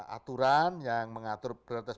aturan yang mengatur prioritas